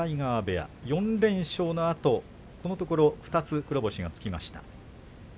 ４連勝のあと、このところ２つ黒星がつきました。